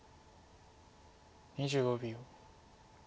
２５秒。